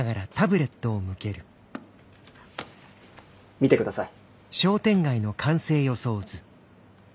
見てください。